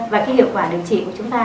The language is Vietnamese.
và cái hiệu quả điều trị của chúng ta